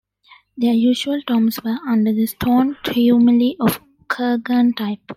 Their usual tombs were under the stone tumuli of kurgan type.